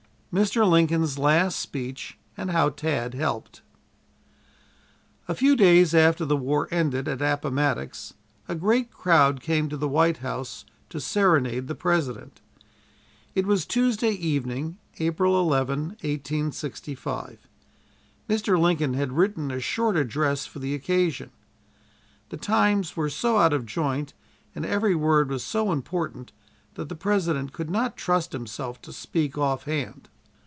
MR. LINCOLN'S LAST SPEECH AND HOW TAD HELPED A few days after the war ended at Appomattox, a great crowd came to the White House to serenade the President. It was Tuesday evening, April 11, 1865. Mr. Lincoln had written a short address for the occasion. The times were so out of joint and every word was so important that the President could not trust himself to speak off hand.